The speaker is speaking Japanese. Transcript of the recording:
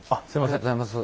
ありがとうございます。